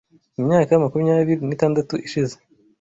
mu myaka makumyabiri nitandatu ishize